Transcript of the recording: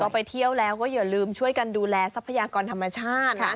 พอไปเที่ยวแล้วก็อย่าลืมช่วยกันดูแลทรัพยากรธรรมชาตินะ